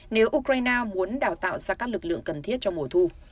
nếu ukraine muốn đào tạo ra các lực lượng cần thiết cho mùa thu